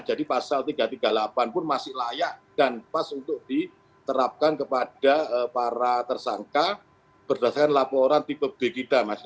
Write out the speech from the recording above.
pasal tiga ratus tiga puluh delapan pun masih layak dan pas untuk diterapkan kepada para tersangka berdasarkan laporan tipe b kita